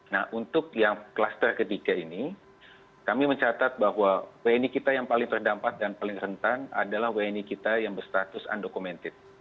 nah untuk yang klaster ketiga ini kami mencatat bahwa wni kita yang paling terdampak dan paling rentan adalah wni kita yang berstatus undocumented